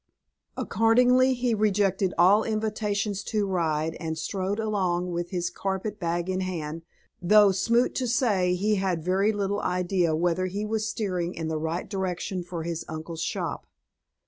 Accordingly he rejected all invitations to ride, and strode along, with his carpet bag in hand, though, sooth to say, he had very little idea whether he was steering in the right direction for his uncle's shop.